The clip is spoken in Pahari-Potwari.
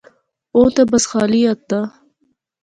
او تہ بس خالی ہتھ دا